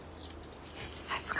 さすが。